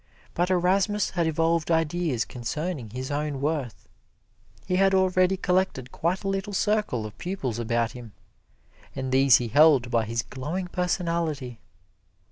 But Erasmus had evolved ideas concerning his own worth. He had already collected quite a little circle of pupils about him, and these he held by his glowing personality.